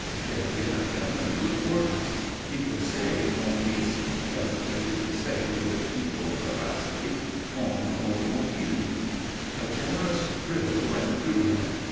It had given him a new importance. He could say "mon fils," just as he could say (with equal veracity) "mon automobile." A generous thrill ran through him.